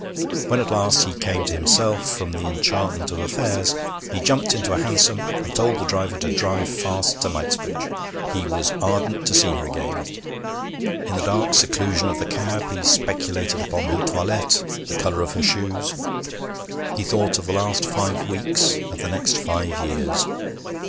When at last he came to himself from the enchantment of affairs, he jumped into a hansom, and told the driver to drive fast to Knightsbridge. He was ardent to see her again. In the dark seclusion of the cab he speculated upon her toilette, the colour of her shoes. He thought of the last five weeks, of the next five years.